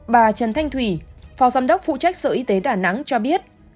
bà trần thanh thủy phó giám đốc phụ trách sở y tế đà nẵng cho biết